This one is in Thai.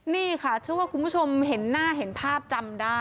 นี่ค่ะเชื่อว่าคุณผู้ชมเห็นหน้าเห็นภาพจำได้